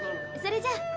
それじゃ。